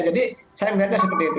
jadi saya melihatnya seperti itu